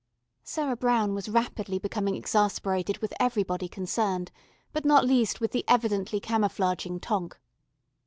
Sarah Brown was rapidly becoming exasperated with everybody concerned, but not least with the evidently camouflaging Tonk.